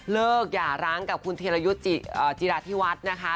เลิกหย่าร้างกับคุณเทียรายุทธิวัฒน์นะคะ